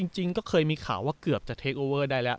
จริงก็เคยมีข่าวว่าเกือบจะเทคโอเวอร์ได้แล้ว